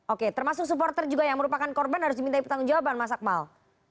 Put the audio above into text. oke termasuk supporter juga yang merupakan korban harus dimintai pertanggung jawaban mas akmal